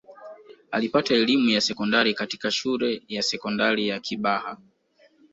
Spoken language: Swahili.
alipata elimu ya sekondari katika shule ya sekondari ya kibaha